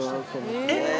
えっ！